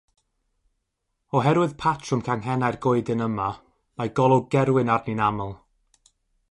Oherwydd patrwm canghennau'r goeden yma mae golwg gerwin arni'n aml.